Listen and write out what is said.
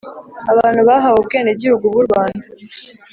Abantu bahawe Ubwenegihugu bw u Rwanda